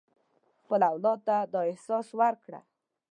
خپل اولاد ته دا احساس ورکړه.